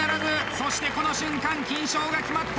そしてこの瞬間金賞が決まった！